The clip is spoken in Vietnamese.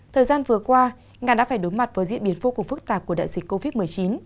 thời gian vừa qua nga đã phải đối mặt với diễn biến vô cùng phức tạp của đại dịch covid một mươi chín